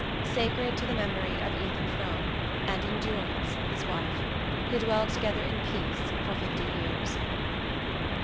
SACRED TO THE MEMORY OF ETHAN FROME AND ENDURANCE HIS WIFE, WHO DWELLED TOGETHER IN PEACE FOR FIFTY YEARS.